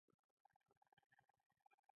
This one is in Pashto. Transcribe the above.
خلک یې په زراعت کې هم کم نه دي.